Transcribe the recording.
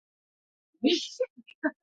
چې دې پښتنو د خلاصونو يوازينۍ لاره